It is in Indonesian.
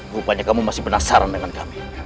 rupanya kamu masih penasaran dengan kami